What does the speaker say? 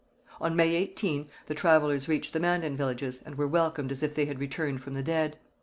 On May 18 the travellers reached the Mandan villages and were welcomed as if they had returned from the dead.